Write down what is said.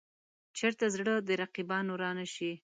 چېرته زړه د رقیبانو را نه شي.